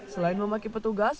selain memakai petugas